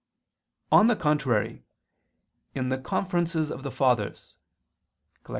On the contrary, In the Conferences of the Fathers (Collat.